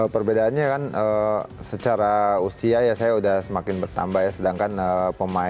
perbedaannya kan secara usia ya saya sudah semakin bertambah ya sedangkan berusia saya sudah bertambah